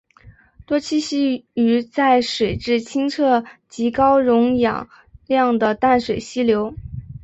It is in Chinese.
多栖息于在水质清澈及高溶氧量的淡水溪流。